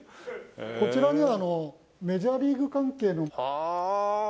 こちらにはメジャーリーグ関係の。はあ！